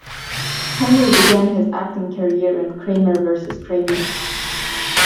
Henry began his acting career in "Kramer versus Kramer".